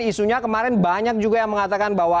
isunya kemarin banyak juga yang mengatakan bahwa